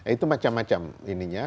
itu macam macam ininya